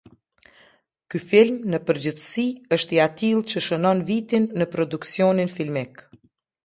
Ky film, në përgjithësi, është i atillë që shënon vitin në produksionin filmik.